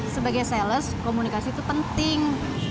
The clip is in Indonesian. sebagai sales komunikasi itu penting